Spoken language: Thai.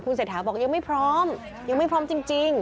เศรษฐาบอกยังไม่พร้อมยังไม่พร้อมจริง